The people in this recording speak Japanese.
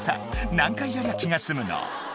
何回やりゃ気が済むの？